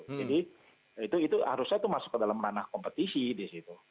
jadi itu harusnya masuk ke dalam ranah kompetisi di situ